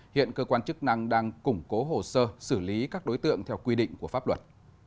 hiện cơ quan chức năng đang củng cố hồ sơ xử lý các đối tượng theo quy định của pháp luật